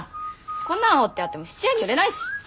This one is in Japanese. こんなの彫ってあっても質屋に売れないし！